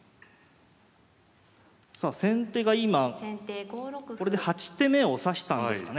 さあ先手が今これで８手目を指したんですかね。